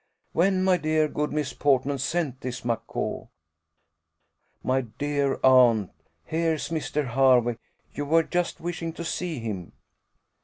When my dear, good Miss Portman, sent this macaw My dear aunt! here's Mr. Hervey! you were just wishing to see him."